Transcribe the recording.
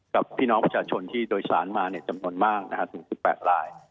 กับพี่น้องประชาชนที่โดยสารมาจำนวนมากถึง๑๘ราย